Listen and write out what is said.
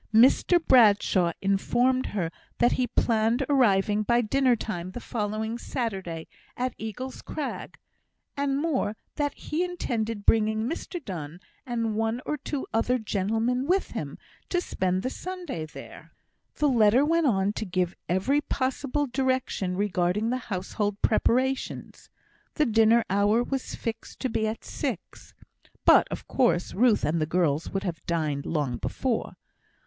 Mr Bradshaw informed her, that he planned arriving by dinner time the following Saturday at Eagle's Crag; and more, that he intended bringing Mr Donne and one or two other gentlemen with him, to spend the Sunday there! The letter went on to give every possible direction regarding the household preparations. The dinner hour was fixed to be at six; but, of course, Ruth and the girls would have dined long before.